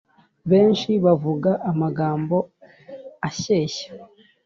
Benshi bavuga amagambo ashyeshya